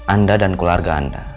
anda dan keluarga anda